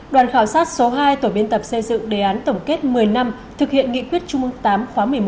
đoàn khảo sát số hai tổ biên tập xây dựng đề án tổng kết một mươi năm thực hiện nghị quyết trung ương tám khóa một mươi một